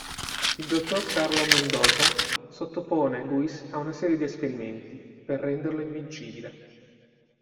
Il dottor Karl Mendoza sottopone Luis a una serie di esperimenti, per renderlo invincibile.